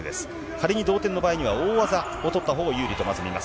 仮に同点の場合には、大技を取ったほうが有利とまず見ます。